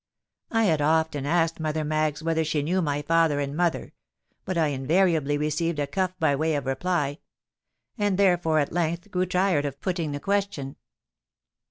I had often asked Mother Maggs whether she knew my father and mother; but I invariably received a cuff by way of reply—and therefore at length grew tired of putting the question.